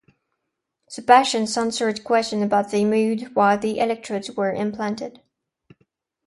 The patients answered questions about their mood while the electrodes were implanted.